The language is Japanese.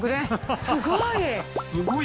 すごい。